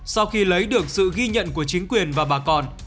sau khi lấy được sự ghi nhận của chính quyền và bà con